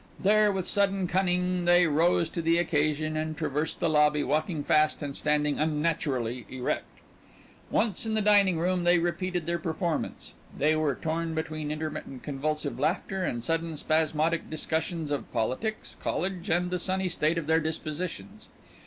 There, with sudden cunning, they rose to the occasion and traversed the lobby, walking fast and standing unnaturally erect. Once in the dining room they repeated their performance. They were torn between intermittent convulsive laughter and sudden spasmodic discussions of politics, college, and the sunny state of their dispositions.